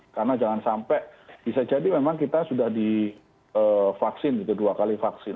karena jangan sampai bisa jadi memang kita sudah divaksin dua kali vaksin